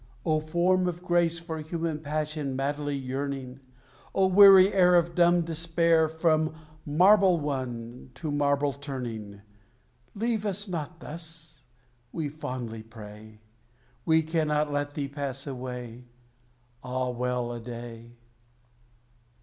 O form of grace, For human passion madly yearning! O weary air of dumb despair, From marble won, to marble turning! "Leave us not thus!" we fondly pray. "We cannot let thee pass away!" Ah, well a day!